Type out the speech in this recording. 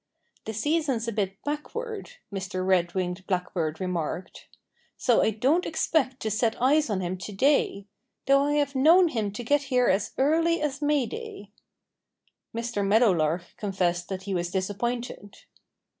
"The season's a bit backward," Mr. Red winged Blackbird remarked. "So I don't expect to set eyes on him to day though I have known him to get here as early as May Day." Mr. Meadowlark confessed that he was disappointed.